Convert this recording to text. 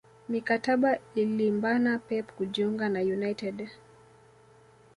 Mikataba ilimbana Pep kujiunga na united